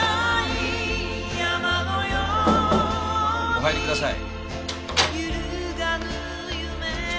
お入りください。